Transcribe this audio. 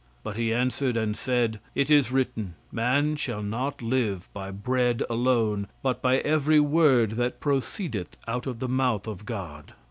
But he answered, and said 'It is written: man shall not live by bread alone, but by every word that proceedeth out of the mouth of God.'